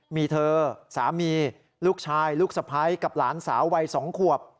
มีเธอสามีลูกชายลูกสะพ้ายกับหลานสาววัย๒ขวบ